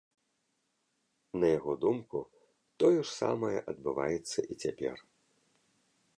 На яго думку, тое ж самае адбываецца і цяпер.